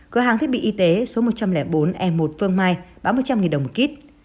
cửa hàng thiết bị y tế số một trăm linh bốn e một phương mai báo một trăm linh đồng một kít